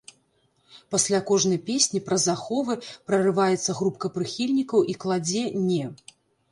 Пасля кожнай песні праз аховы прарываецца групка прыхільнікаў і кладзе, не!